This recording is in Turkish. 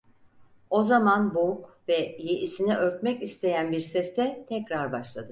O zaman boğuk ve yeisini örtmek isteyen bir sesle tekrar başladı.